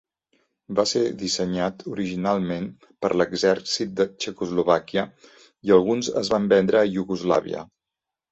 Va ser dissenyat originalment per l’exèrcit de Txecoslovàquia, i alguns es van vendre a Iugoslàvia.